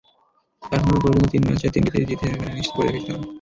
এখনো পর্যন্ত তিন ম্যাচের তিনটিতেই জিতে সেমিফাইনাল নিশ্চিত করে রেখেছে তারা।